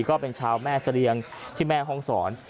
ก็เป็นชาวแม่เสรียงที่แม่ห้องศร